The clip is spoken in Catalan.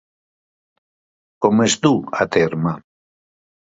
Com es du a terme?